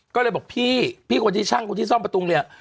ก็เลยบอกพี่พี่คนที่ช่างคนที่ซ่อมประตูเนี่ย